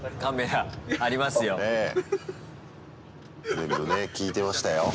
全部ね聞いてましたよ。